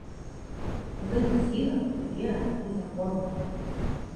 Гэта сіла, вера і закон.